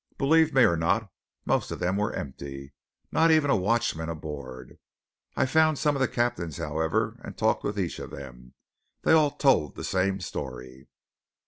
Believe me or not, most of them were empty; not even a watchman aboard! I found some of the captains, however, and talked with each of them. They all told the same story."